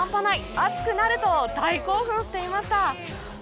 熱くなると大興奮していました。